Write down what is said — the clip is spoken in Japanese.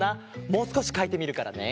もうすこしかいてみるからね。